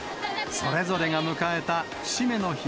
それぞれが迎えた節目の日。